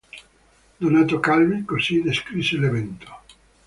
Donato Calvi così descrisse l'evento.